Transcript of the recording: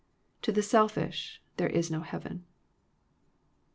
To the selfish, there is no heaven.